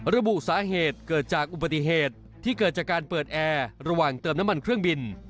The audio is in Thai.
ระบุสาเหตุเกิดจากอุบัติเหตุที่เกิดจากการเปิดแอร์ระหว่างเติมน้ำมันเครื่องบิน